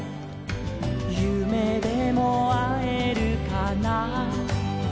「ゆめでもあえるかな」